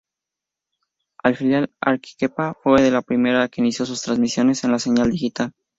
La filial Arequipa fue la primera que inició sus transmisiones en señal digital.